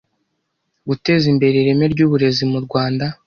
guteza imbere ireme ry’uburezi mu Rwanda